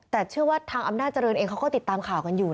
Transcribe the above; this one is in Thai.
แต่เชื่อว่าทางอำนาจริงเองเขาก็ติดตามข่าวกันอยู่